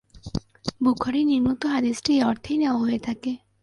বুখারীর নিম্নোক্ত হাদীসটি এ অর্থেই নেওয়া হয়ে থাকে।